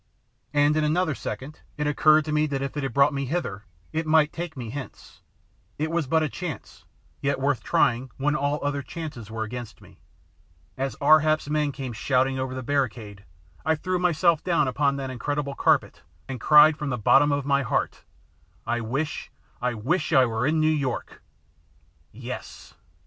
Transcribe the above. And in another second it occurred to me that if it had brought me hither it might take me hence. It was but a chance, yet worth trying when all other chances were against me. As Ar hap's men came shouting over the barricade I threw myself down upon that incredible carpet and cried from the bottom of my heart, "I wish I wish I were in New York!" Yes!